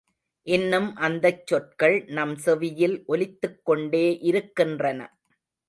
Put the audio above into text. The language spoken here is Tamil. இன்னும் அந்தச் சொற்கள் நம் செவியில் ஒலித்துக்கொண்டே இருக்கின்றன.